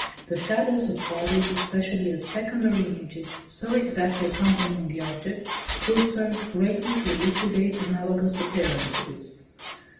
The shadows of bodies, especially, as secondary images, so exactly accompanying the object, will serve greatly to elucidate analogous appearances.